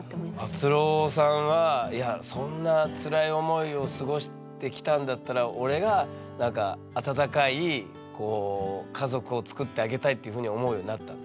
あつろーさんはいやそんな辛い思いを過ごしてきたんだったら俺が温かい家族をつくってあげたいっていうふうに思うようになったんだ。